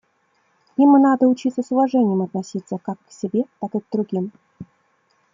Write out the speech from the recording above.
Им надо учиться с уважением относиться как к себе, так и к другим.